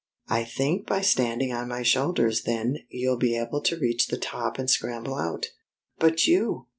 I think by standing on my shoulders then you'll be able to reach tihe top and scramble out." " But you